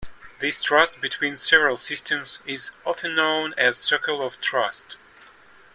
This trust between several systems is often known as "Circle of Trust".